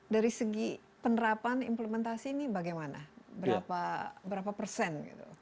dari segi penerapan implementasi ini bagaimana berapa persen